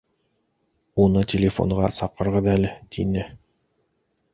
Уны телефонға саҡырығыҙ әле, - тине.